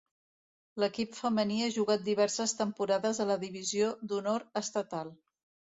L’equip femení ha jugat diverses temporades a la divisió d’honor estatal.